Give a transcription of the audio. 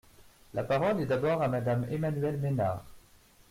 La parole est d’abord à Madame Emmanuelle Ménard.